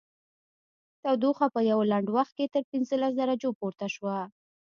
تودوخه په یوه لنډ وخت کې تر پنځلس درجو پورته شوه